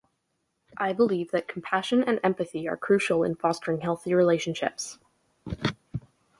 I believe that compassion and empathy are crucial in fostering healthy relationships.